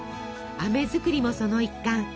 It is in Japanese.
あめ作りもその一環。